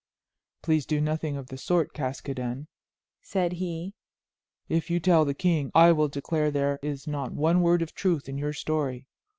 "Please do nothing of the sort, Caskoden," said he; "if you tell the king I will declare there is not one word of truth in your story.